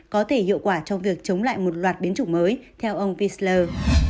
có thể hiệu quả trong việc chống lại một loạt biến chủng mới theo ông pisler